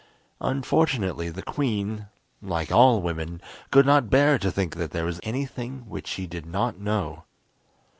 Unfortunately, the queen, like all women, could not bear to think that there was anything which she did not know.